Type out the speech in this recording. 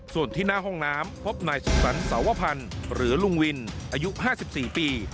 ส่วนที่หน้าห้องน้ำพบนายสุขสรรคสาวพันธ์หรือลุงวินอายุ๕๔ปี